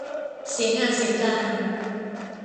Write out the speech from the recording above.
เสียงานเสียการ